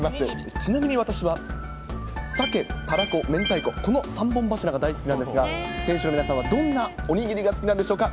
ちなみに私はさけ、たらこ、明太子、この３本柱が大好きなんですが、選手の皆さんはどんなお握りが好きなんでしょうか？